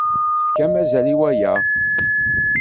Tefkam azal i waya.